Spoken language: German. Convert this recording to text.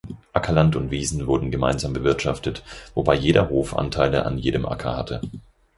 Ackerland und Wiesen wurden gemeinsam bewirtschaftet, wobei jeder Hof Anteile an jedem Acker hatte.